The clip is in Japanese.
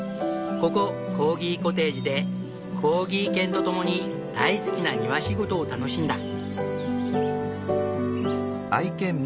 ここコーギコテージでコーギー犬と共に大好きな庭仕事を楽しんだ。